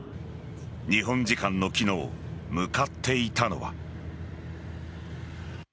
日本時間の昨日向かっていたのは。